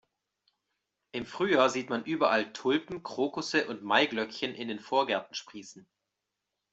Im Frühjahr sieht man überall Tulpen, Krokusse und Maiglöckchen in den Vorgärten sprießen.